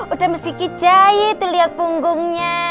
udah miss kiki jahit tuh liat punggungnya